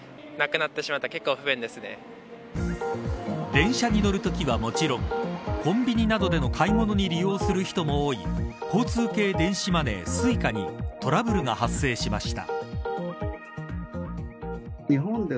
電車に乗る時はもちろんコンビニなどでの買い物に利用する人も多い交通系電子マネー、Ｓｕｉｃａにトラブルが発生しました。